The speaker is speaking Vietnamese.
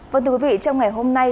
vâng thưa quý vị trong ngày hôm nay